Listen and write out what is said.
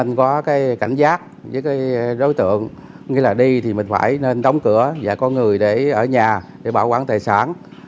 mình có cảnh giác với đối tượng nghĩa là đi thì mình phải nên đóng cửa và có người ở nhà để bảo quản tài sản